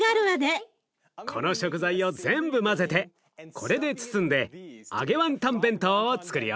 この食材を全部混ぜてこれで包んで揚げワンタン弁当をつくるよ。